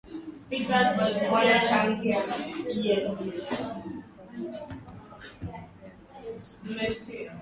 Miaka mitano baadaye alichuana tena na Karume katika nafasi ya urais Zanzibar